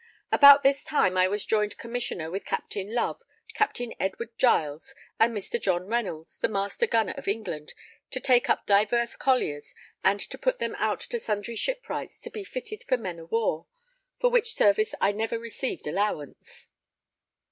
About this time I was joined Commissioner with Captain Love, Captain Edward Giles, and Mr. John Reynolds, the Master Gunner of England, to take up divers colliers, and to put them out to sundry shipwrights to be fitted for men of war, for which service I never received allowance.